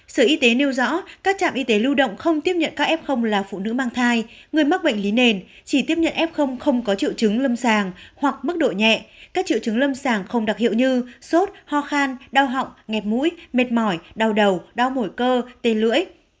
sở y tế nêu rõ các trạm y tế lưu động không tiếp nhận các ép không là phụ nữ mang thai người mắc bệnh lý nền chỉ tiếp nhận ép không không có triệu chứng lâm sàng hoặc mức độ nhẹ các triệu chứng lâm sàng không đặc hiệu như sốt ho khan đau họng nghẹp mũi mệt mỏi đau đầu đau mổi cơ tên lưỡi